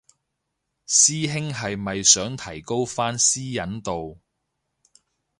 師兄係咪想提高返私隱度